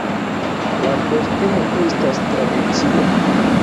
La kostumo estas tradicia.